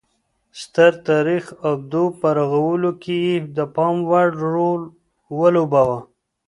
ستر تاریخي ابدو په رغولو کې یې د پام وړ رول ولوباوه